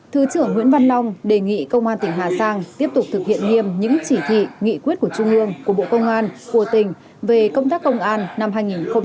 thứ trưởng nguyễn văn long đề nghị công an tỉnh hà giang tiếp tục thực hiện nghiêm những chỉ thị nghị quyết của trung ương của bộ công an của tỉnh về công tác công an năm hai nghìn hai mươi ba